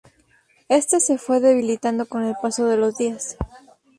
Éste se fue debilitando con el paso de los días.